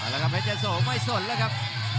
เอาละครับเป็นเจ้าสองไม่สนแล้วครับ